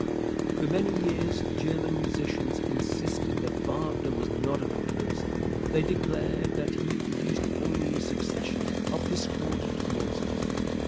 For many years German musicians insisted that Wagner was not a composer. They declared that he produced only a succession of discordant noises.